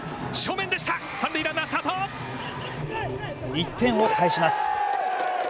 １点を返します。